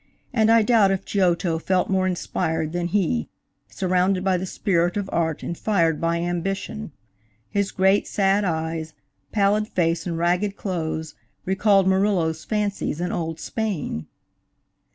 –and I doubt if Giotto felt more inspired than he, surrounded by the spirit of art and fired by ambition. His great, sad eyes, pallid face and ragged clothes, recalled Murillo's fancies in old Spain.